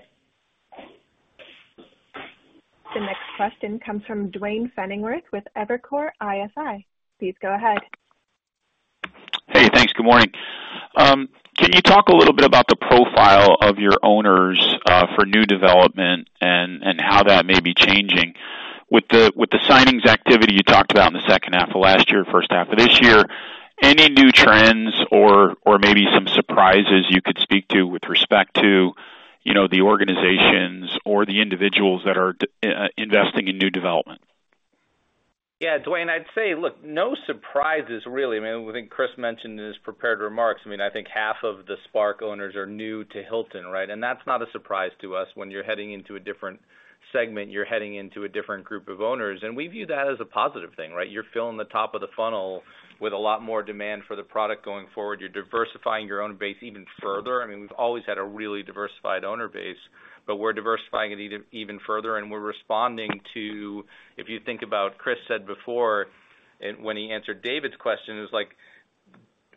The next question comes from Duane Pfennigwerth with Evercore ISI. Please go ahead. Hey, thanks. Good morning. Can you talk a little bit about the profile of your owners for new development and how that may be changing? With the, with the signings activity you talked about in the second half of last year, first half of this year, any new trends or maybe some surprises you could speak to with respect to, you know, the organizations or the individuals that are investing in new development? Yeah, Duane, I'd say, look, no surprises, really. I mean, I think Chris mentioned in his prepared remarks, I mean, I think half of the Spark owners are new to Hilton, right? That's not a surprise to us. When you're heading into a different segment, you're heading into a different group of owners, and we view that as a positive thing, right? You're filling the top of the funnel with a lot more demand for the product going forward. You're diversifying your owner base even further. I mean, we've always had a really diversified owner base, but we're diversifying it even further, and we're responding to, if you think about Chris said before, and when he answered David's question, it was like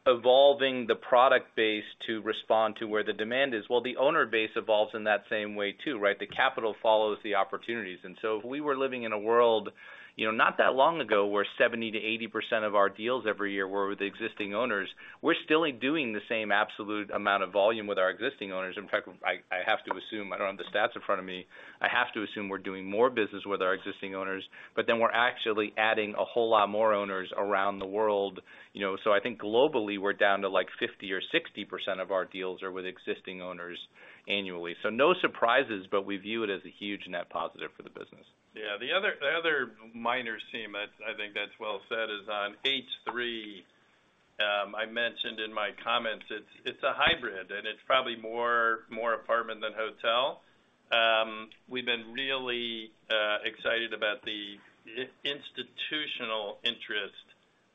evolving the product base to respond to where the demand is. Well, the owner base evolves in that same way, too, right? The capital follows the opportunities. If we were living in a world, you know, not that long ago, where 70%-80% of our deals every year were with the existing owners, we're still doing the same absolute amount of volume with our existing owners. In fact, I have to assume, I don't have the stats in front of me, I have to assume we're doing more business with our existing owners, but then we're actually adding a whole lot more owners around the world, you know. I think globally, we're down to, like, 50% or 60% of our deals are with existing owners annually. No surprises, but we view it as a huge net positive for the business. Yeah, the other minor theme that I think that's well said is on H3. I mentioned in my comments, it's a hybrid, and it's probably more, more apartment than hotel. We've been really excited about the institutional interest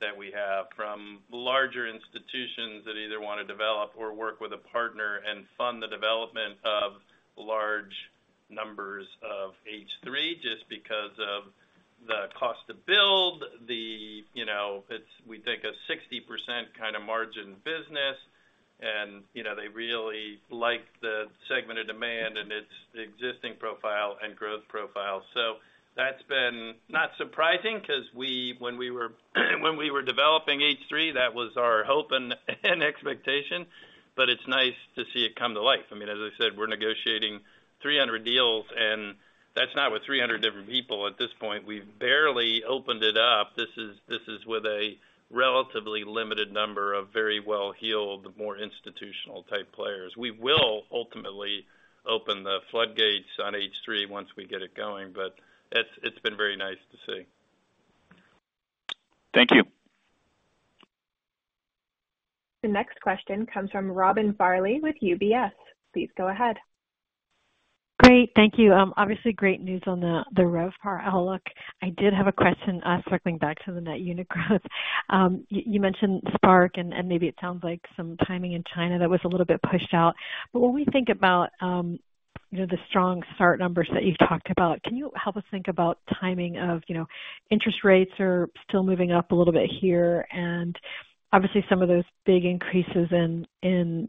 that we have from larger institutions that either want to develop or work with a partner and fund the development of large numbers of H3 just because of the cost to build, the, you know, it's we think, a 60% kind of margin business, and, you know, they really like the segment of demand and its existing profile and growth profile. That's been not surprising because when we were developing H3, that was our hope and expectation, but it's nice to see it come to life. I mean, as I said, we're negotiating 300 deals, and that's not with 300 different people. At this point, we've barely opened it up. This is with a relatively limited number of very well-heeled, more institutional-type players. We will ultimately open the floodgates on H3 once we get it going, but it's been very nice to see. Thank you. The next question comes from Robin Farley with UBS. Please go ahead. Great, thank you. Obviously, great news on the RevPAR outlook. I did have a question, circling back to the net unit growth. You mentioned Spark, and maybe it sounds like some timing in China that was a little bit pushed out. When we think about, you know, the strong start numbers that you talked about, can you help us think about timing of, you know, interest rates are still moving up a little bit here, and obviously, some of those big increases in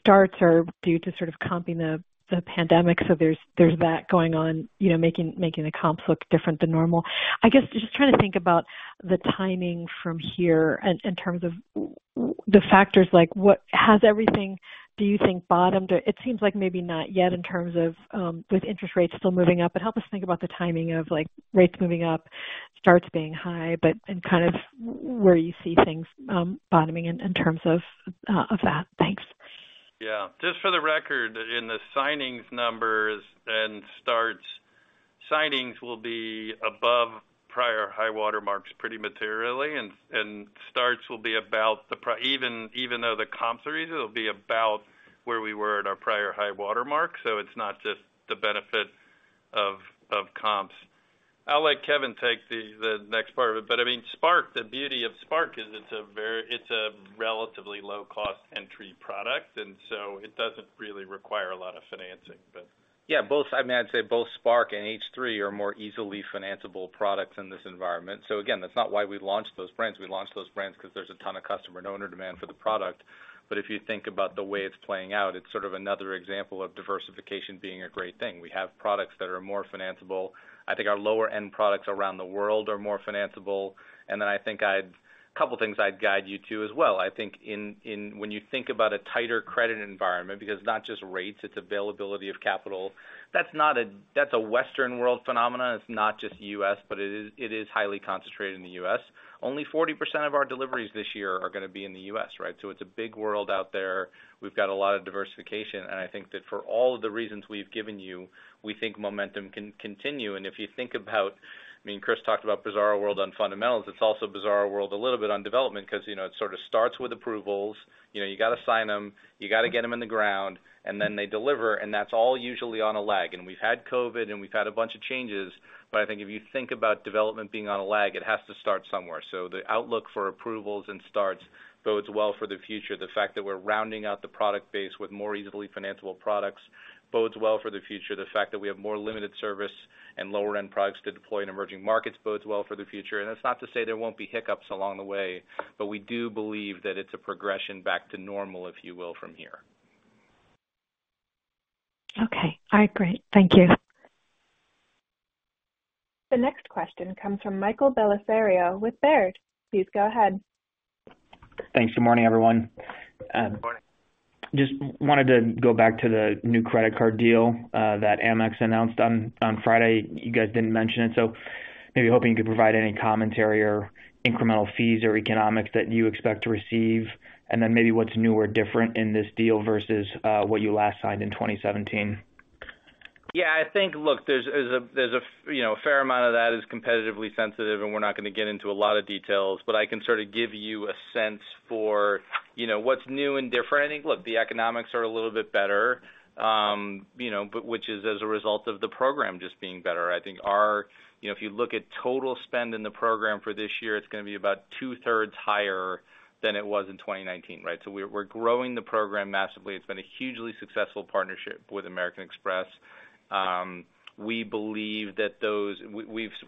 starts are due to sort of comping the pandemic. There's that going on, you know, making the comps look different than normal. I guess, just trying to think about the timing from here in terms of the factors like what has everything, do you think, bottomed? It seems like maybe not yet in terms of, with interest rates still moving up. Help us think about the timing of, like, rates moving up, starts being high, and kind of where you see things bottoming in terms of that. Thanks. Yeah, just for the record, in the signings numbers and starts, signings will be above prior high water marks pretty materially, and starts will be about even though the comps are easy, it'll be about where we were at our prior high water mark. It's not just the benefit of comps. I'll let Kevin take the next part of it, I mean, Spark, the beauty of Spark is it's a relatively low-cost entry product, it doesn't really require a lot of financing, but. Yeah, both. I mean, I'd say both Spark and H3 are more easily financiable products in this environment. Again, that's not why we launched those brands. We launched those brands because there's a ton of customer and owner demand for the product. If you think about the way it's playing out, it's sort of another example of diversification being a great thing. We have products that are more financiable. I think our lower-end products around the world are more financiable. Couple things I'd guide you to as well. I think when you think about a tighter credit environment, because it's not just rates, it's availability of capital, that's not a Western world phenomenon. It's not just U.S., but it is highly concentrated in the U.S. Only 40% of our deliveries this year are gonna be in the U.S., right? It's a big world out there. We've got a lot of diversification, and I think that for all of the reasons we've given you, we think momentum can continue. If you think about, I mean, Chris talked about bizarre world on fundamentals. It's also bizarre world a little bit on development, 'cause, you know, it sort of starts with approvals. You know, you gotta sign them, you gotta get them in the ground, and then they deliver, and that's all usually on a lag. We've had COVID, and we've had a bunch of changes, but I think if you think about development being on a lag, it has to start somewhere. The outlook for approvals and starts bodes well for the future. The fact that we're rounding out the product base with more easily financiable products bodes well for the future. The fact that we have more limited service and lower-end products to deploy in emerging markets bodes well for the future. That's not to say there won't be hiccups along the way, but we do believe that it's a progression back to normal, if you will, from here. Okay. All right, great. Thank you. The next question comes from Michael Bellisario with Baird. Please go ahead. Thanks. Good morning, everyone. Good morning. Just wanted to go back to the new credit card deal, that Amex announced on Friday. You guys didn't mention it, so maybe hoping you could provide any commentary or incremental fees or economics that you expect to receive, and then maybe what's new or different in this deal versus, what you last signed in 2017? I think, look, there's a, there's a, you know, a fair amount of that is competitively sensitive, and we're not gonna get into a lot of details, but I can sort of give you a sense for, you know, what's new and different. I think, look, the economics are a little bit better, you know, but which is as a result of the program just being better. I think our, you know, if you look at total spend in the program for this year, it's gonna be about two-thirds higher than it was in 2019, right? We're, we're growing the program massively. It's been a hugely successful partnership with American Express. We believe that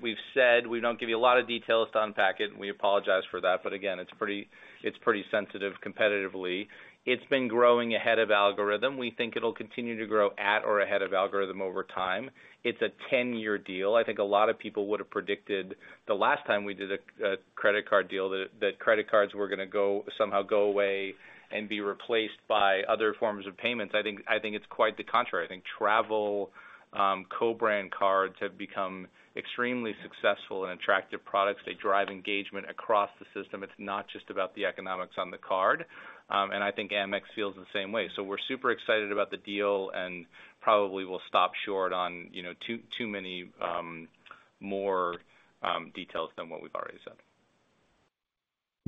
we've said we don't give you a lot of details to unpack it, and we apologize for that. Again, it's pretty, it's pretty sensitive competitively. It's been growing ahead of algorithm. We think it'll continue to grow at or ahead of algorithm over time. It's a 10-year deal. I think a lot of people would have predicted the last time we did a credit card deal, that credit cards were gonna go, somehow go away and be replaced by other forms of payments. I think it's quite the contrary. I think travel co-brand cards have become extremely successful and attractive products. They drive engagement across the system. It's not just about the economics on the card, and I think Amex feels the same way. We're super excited about the deal and probably will stop short on, you know, too many more details than what we've already said.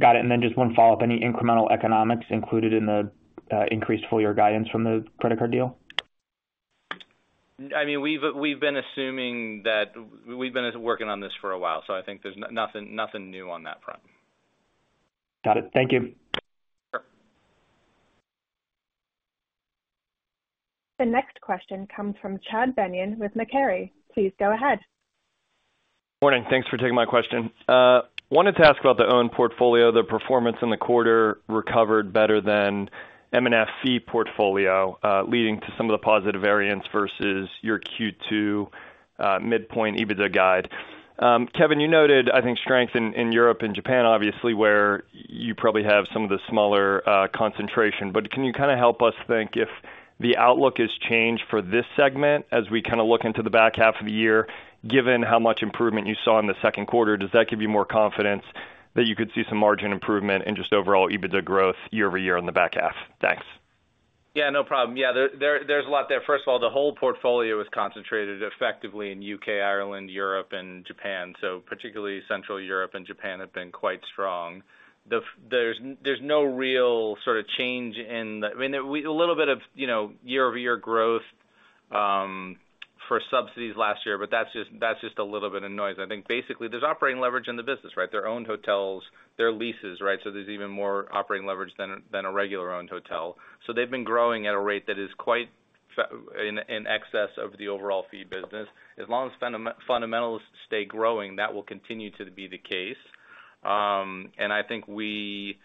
Got it. Then just one follow-up. Any incremental economics included in the increased full year guidance from the credit card deal? I mean, we've been working on this for a while. I think there's nothing new on that front. Got it. Thank you. Sure. The next question comes from Chad Beynon with Macquarie. Please go ahead. Morning. Thanks for taking my question. Wanted to ask about the own portfolio, the performance in the quarter recovered better than M&F fee portfolio, leading to some of the positive variance versus your Q2 midpoint EBITDA guide. Kevin, you noted, I think, strength in Europe and Japan, obviously, where you probably have some of the smaller concentration. Can you kind of help us think if the outlook has changed for this segment as we kind of look into the back half of the year, given how much improvement you saw in the second quarter, does that give you more confidence that you could see some margin improvement and just overall EBITDA growth year-over-year on the back half? Thanks. No problem. There's a lot there. First of all, the whole portfolio is concentrated effectively in U.K., Ireland, Europe, and Japan. Particularly Central Europe and Japan have been quite strong. There's no real sort of change in the... I mean, a little bit of, you know, year-over-year growth for subsidies last year, that's just a little bit of noise. I think basically, there's operating leverage in the business, right? Their own hotels, their leases, right? There's even more operating leverage than a regular owned hotel. They've been growing at a rate that is quite in excess of the overall fee business. As long as fundamentals stay growing, that will continue to be the case. I think we...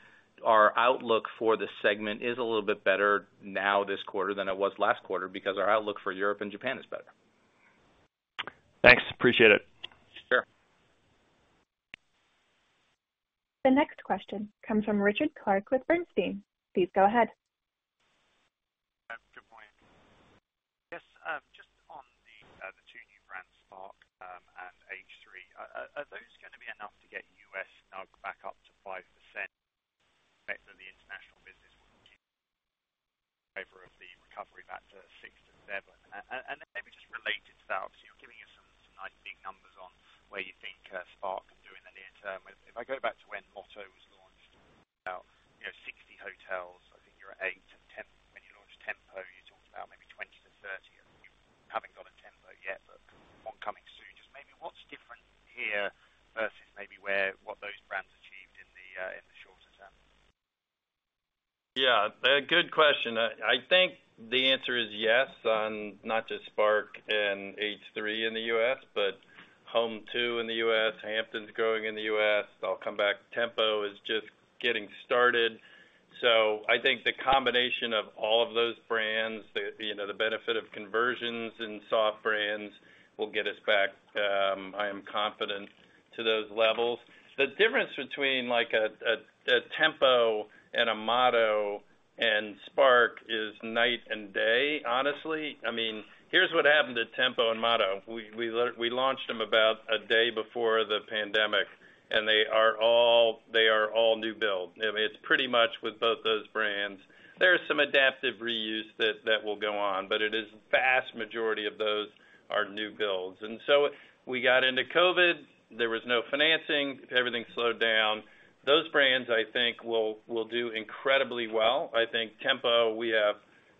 Our outlook for this segment is a little bit better now this quarter than it was last quarter, because our outlook for Europe and Japan is better. Thanks, appreciate it. Sure. The next question comes from Richard Clarke with Bernstein. Please go ahead. Good morning. Yes, are those going to be enough to get U.S. NUG back up to 5%, so the international business will continue over of the recovery back to six to seven? Maybe just related to that, you're giving us some nice big numbers on where you think Spark can do in the near term. If I go back to when Motto was launched, about, you know, 60 hotels, I think you're at eight and 10. When you launched Tempo, you talked about maybe 20-30, and you haven't got a Tempo yet, but one coming soon. Just maybe what's different here versus maybe where, what those brands achieved in the shorter term? Yeah, a good question. I think the answer is yes on not just Spark and H3 in the U.S., but Home2 in the U.S., Hampton's growing in the U.S. I'll come back, Tempo is just getting started. I think the combination of all of those brands, you know, the benefit of conversions and soft brands will get us back, I am confident, to those levels. The difference between like Tempo and Motto and Spark is night and day, honestly. I mean, here's what happened to Tempo and Motto. We launched them about a day before the pandemic. They are all new build. I mean, it's pretty much with both those brands. There are some adaptive reuse that will go on, but it is vast majority of those are new builds. We got into COVID, there was no financing, everything slowed down. Those brands, I think, will do incredibly well. I think Tempo, we have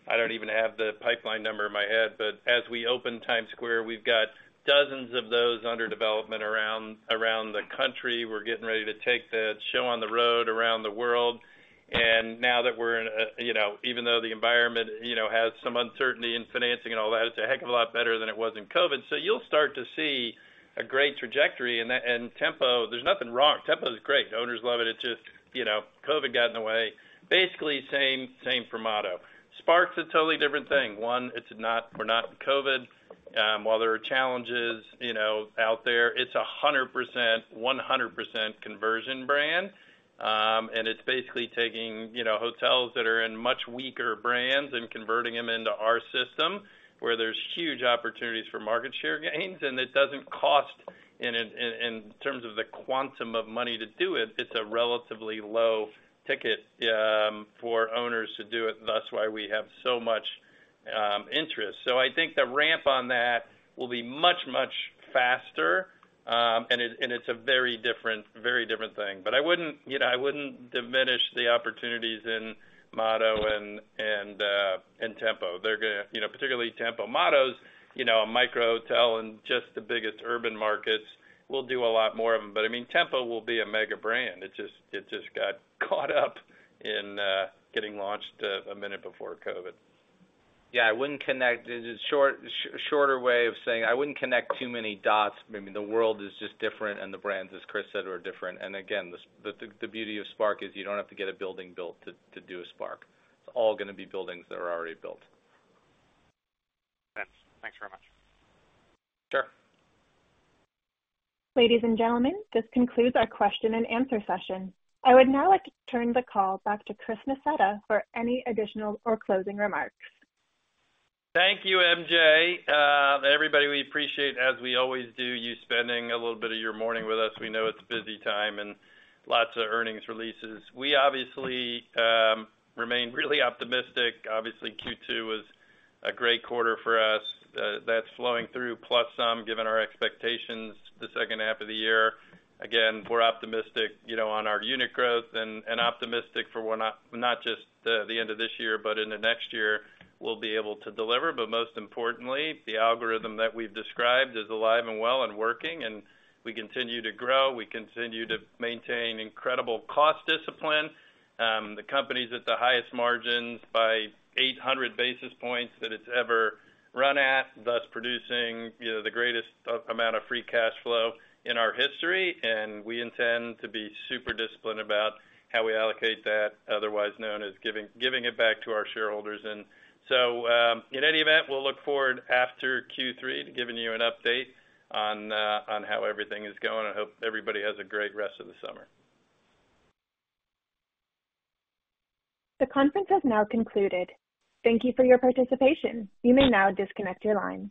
I don't even have the pipeline number in my head, but as we open Times Square, we've got dozens of those under development around the country. We're getting ready to take the show on the road around the world. Now that we're in a, you know, even though the environment, you know, has some uncertainty in financing and all that, it's a heck of a lot better than it was in COVID. You'll start to see a great trajectory. That, and Tempo, there's nothing wrong. Tempo is great. Owners love it. It's just, you know, COVID got in the way. Basically, same for Motto. Spark's a totally different thing. One, it's not, we're not in COVID. While there are challenges, you know, out there, it's a 100% conversion brand. It's basically taking, you know, hotels that are in much weaker brands and converting them into our system, where there's huge opportunities for market share gains, and it doesn't cost in terms of the quantum of money to do it's a relatively low ticket for owners to do it, and that's why we have so much interest. I think the ramp on that will be much faster, and it's a very different thing. I wouldn't, you know, I wouldn't diminish the opportunities in Motto and Tempo. They're gonna, you know, particularly Tempo. Motto's, you know, a micro hotel in just the biggest urban markets. We'll do a lot more of them. I mean, Tempo will be a mega brand. It just got caught up in getting launched a minute before COVID. Yeah, the short, shorter way of saying, I wouldn't connect too many dots. I mean, the world is just different, the brands, as Chris said, are different. again, the beauty of Spark is you don't have to get a building built to do a Spark. It's all going to be buildings that are already built. Thanks. Thanks very much. Sure. Ladies and gentlemen, this concludes our question and answer session. I would now like to turn the call back to Chris Nassetta for any additional or closing remarks. Thank you, MJ. Everybody, we appreciate, as we always do, you spending a little bit of your morning with us. We know it's a busy time and lots of earnings releases. We obviously remain really optimistic. Obviously, Q2 was a great quarter for us. That's flowing through, plus some, given our expectations, the second half of the year. Again, we're optimistic, you know, on our unit growth and optimistic for when not just the end of this year, but in the next year, we'll be able to deliver. Most importantly, the algorithm that we've described is alive and well and working, and we continue to grow, we continue to maintain incredible cost discipline. The company's at the highest margins by 800 basis points that it's ever run at, thus producing, you know, the greatest amount of free cash flow in our history. We intend to be super disciplined about how we allocate that, otherwise known as giving it back to our shareholders. In any event, we'll look forward after Q3 to giving you an update on how everything is going. I hope everybody has a great rest of the summer. The conference has now concluded. Thank you for your participation. You may now disconnect your line.